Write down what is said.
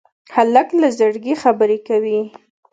هلک له زړګي خبرې کوي.